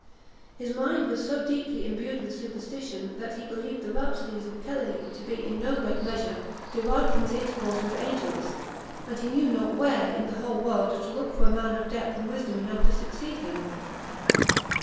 His mind was so deeply imbued with superstition, that he believed the rhapsodies of Kelly to be, in a great measure, derived from his intercourse with angels; and he knew not where, in the whole world, to look for a man of depth and wisdom enough to succeed him.